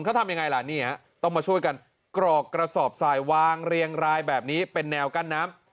เขาทำยังไงล่ะนี่ฮะต้องมาช่วยกันกรอกกระสอบสายวางเรียงรายแบบนี้เป็นแนวกั้นน้ำ